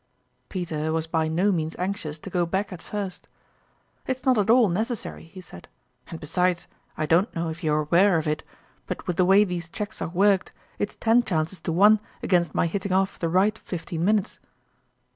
Peter was by no means anxious to go back at first. " It's not at all necessary," he said ;" and besides, I don't know if you're aware of it, but with the way these cheques are worked, it's ten chances to one against my hitting off the right fifteen minutes